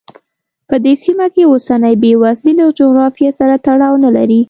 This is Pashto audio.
په دې سیمه کې اوسنۍ بېوزلي له جغرافیې سره تړاو نه لري.